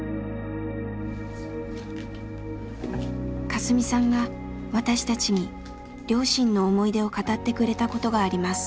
カスミさんが私たちに両親の思い出を語ってくれたことがあります。